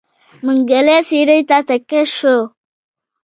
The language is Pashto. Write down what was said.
منګلی څېړۍ ته تکيه شو.